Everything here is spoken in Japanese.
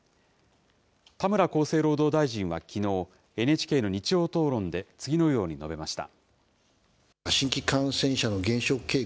田村厚生労働大臣はきのう、ＮＨＫの日曜討論で次のように述べました。